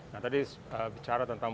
nah tadi bicara tentang